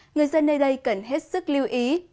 người dân nơi đây cần hết sức lưu ý